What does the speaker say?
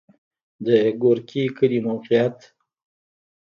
د ګورکي کلی موقعیت